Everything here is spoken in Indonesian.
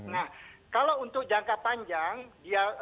nah kalau untuk jangka panjang dia